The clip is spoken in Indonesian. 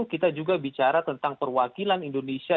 kita juga bicara tentang perwakilan indonesia